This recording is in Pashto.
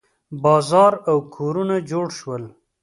بازار او کورونه جوړ شول.